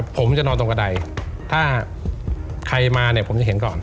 ผมจะนอนตรงกระดายถ้าใครมาเนี่ยผมจะเห็นก่อน